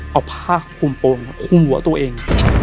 เอาผ้าคุมโปรงคุมหัวตัวเอง